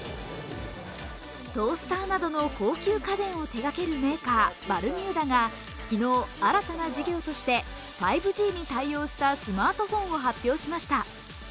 トースターなどの高級家電を手がけるメーカー、バルミューダが昨日新たな事業として５Ｇに対応したスマートフォンを発表しました。